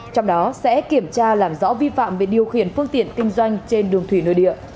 trong đó sẽ kiểm tra làm rõ vi phạm về điều khiển phương tiện kinh doanh trên đường thủy nơi địa